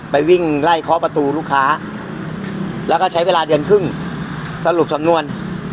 วิ่งไล่เคาะประตูลูกค้าแล้วก็ใช้เวลาเดือนครึ่งสรุปสำนวน